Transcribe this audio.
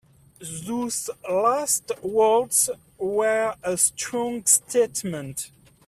Those last words were a strong statement.